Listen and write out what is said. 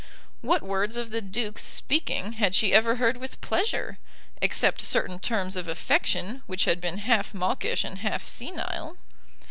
What words of the Duke's speaking had she ever heard with pleasure, except certain terms of affection which had been half mawkish and half senile?